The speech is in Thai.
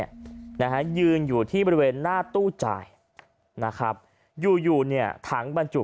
นะฮะยืนอยู่ที่บริเวณหน้าตู้จ่ายนะครับอยู่อยู่เนี่ยถังบรรจุ